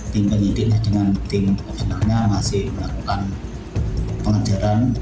tim penyidiknya dengan tim penyelamannya masih melakukan penganjaran